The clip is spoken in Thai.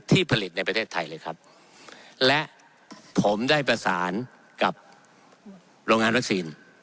ผลิตในประเทศไทยเลยครับและผมได้ประสานกับโรงงานวัคซีน